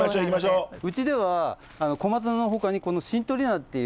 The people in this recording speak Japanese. うちでは小松菜の他にシントリ菜っていう。